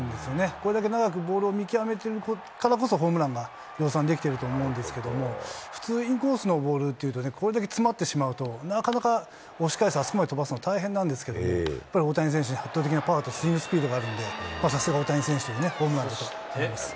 これだけ長くボールを見極めているからこそ、ホームランが量産できてると思うんですけれども、普通、インコースのボールっていうと、これだけつまってしまうと、なかなか押し返して、あそこまで大変なんですけれども、やっぱり大谷選手、圧倒的なパワーとスイングスピードがあるんで、さすが大谷選手というホームランだったかと思います。